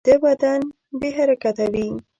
ویده بدن بې حرکته وي